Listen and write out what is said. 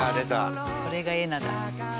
これが「エナッ」だ。